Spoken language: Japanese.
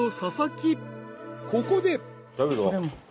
［ここで］